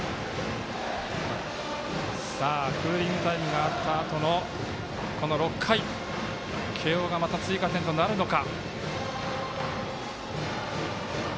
クーリングタイムがあったあとの６回慶応がまた追加点となるのか。